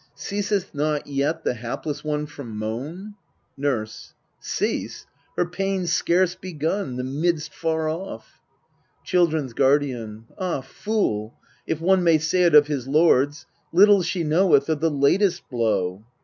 CeasetH not yet the hapless one from moan ? Nurse. Cease ! her pain scarce begun, the midst far off ! Children s Guardian. Ah, fool ! if one may say it of his lords Little she knoweth of the latest blow.